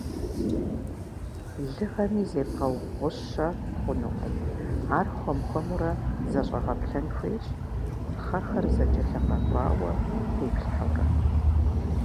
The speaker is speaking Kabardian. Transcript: Лыгъэми зебгъэубгъущэ хъунукъым, ар хуэм-хуэмурэ зэщӀэгъэплъэн хуейщ, пхъэхэр зэкӀэлъыгъэкӀуауэ теплъхьэурэ.